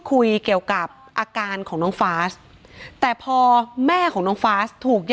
คุยเกี่ยวกับอาการของน้องฟาสแต่พอแม่ของน้องฟาสถูก